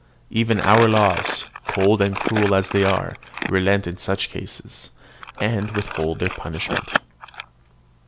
Even our laws, cold and cruel as they are, relent in such cases, and withhold their punishment."